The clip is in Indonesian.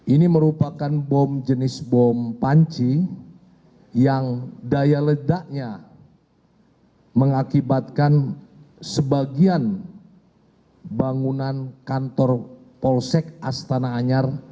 ini merupakan bom jenis bom panci yang daya ledaknya mengakibatkan sebagian bangunan kantor polsek astana anyar